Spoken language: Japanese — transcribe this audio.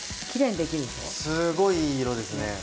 すごいいい色ですね。